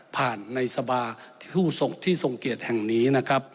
ผ่านในสบาที่ที่ทรงเกียจแห่งนี้นะครับ